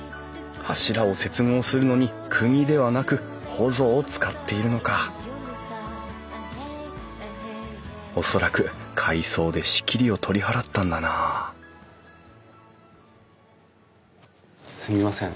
柱を接合するのにくぎではなくほぞを使っているのか恐らく改装で仕切りを取り払ったんだなすいません。